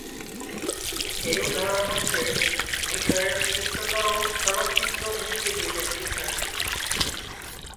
এর উদাহরণ হচ্ছে মিশরের উচ্চতর চলচ্চিত্র ইনস্টিটিউটের শিক্ষার্থী।